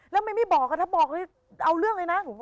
แล้วไม่บอกถ้าบอกเลยเอาเรื่องเลยนะ